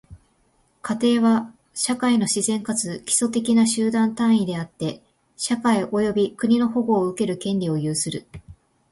家庭は、社会の自然かつ基礎的な集団単位であって、社会及び国の保護を受ける権利を有する。